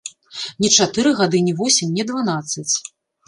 Не чатыры гады, не восем, не дванаццаць.